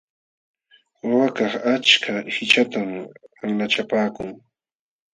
Wawakaq achka qishatam qanlachapaakun.